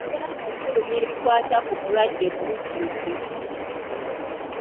Kikyamu okufulumya ebikwata ku mulwadde mu lujjudde.